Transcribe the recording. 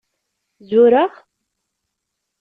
Zureɣ?